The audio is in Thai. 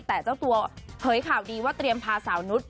แต่เจ้าตัวเผยข่าวดีว่าเตรียมพาสาวนุษย